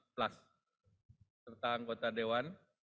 tiga enam delapan plus serta anggota dewan